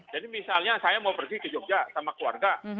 jadi misalnya saya mau pergi ke jogja sama keluarga